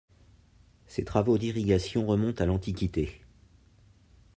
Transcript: Ces travaux d'irrigation remontent à l'Antiquité.